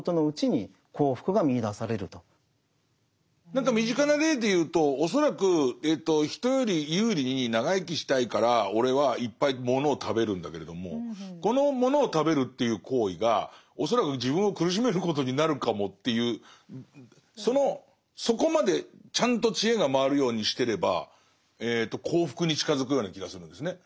何か身近な例で言うと恐らく人より有利に長生きしたいから俺はいっぱいものを食べるんだけれどもこのものを食べるという行為が恐らく自分を苦しめることになるかもというそこまでちゃんと知恵が回るようにしてれば幸福に近づくような気がするんですね。